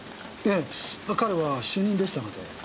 ええ彼は主任でしたので。